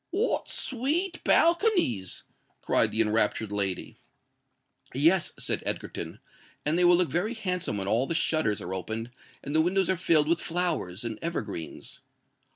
"What sweet balconies!" cried the enraptured lady. "Yes," said Egerton: "and they will look very handsome when all the shutters are opened and the windows are filled with flowers and evergreens."